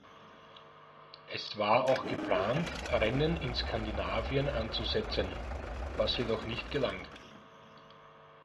Es war auch geplant, Rennen in Skandinavien anzusetzen, was jedoch nicht gelang.